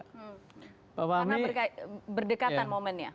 karena berdekatan momennya